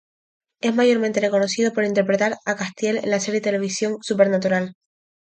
Es mayormente reconocido por interpretar a Castiel en la serie de televisión "Supernatural".